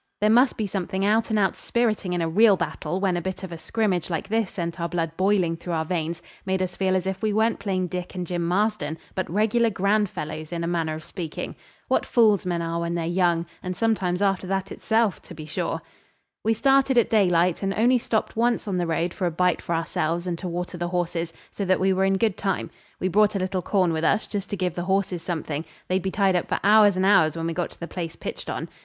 There must be something out and out spiriting in a real battle when a bit of a scrimmage like this sent our blood boiling through our veins; made us feel as if we weren't plain Dick and Jim Marston, but regular grand fellows, in a manner of speaking. What fools men are when they're young and sometimes after that itself to be sure. We started at daylight, and only stopped once on the road for a bite for ourselves and to water the horses, so that we were in good time. We brought a little corn with us, just to give the horses something; they'd be tied up for hours and hours when we got to the place pitched on.